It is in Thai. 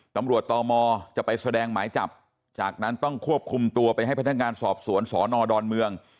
ตมจะไปแสดงหมายจับจากนั้นต้องควบคุมตัวไปให้พนักงานสอบสวนสนดอนเมือง